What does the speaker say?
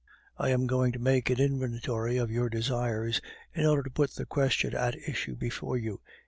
I am going to make an inventory of your desires in order to put the question at issue before you.